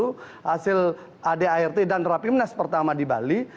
hasil adart dan rapimnas pertama di bali